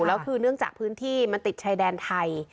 แล้วคือเนื่องจากพื้นที่มันติดชายแดนไทย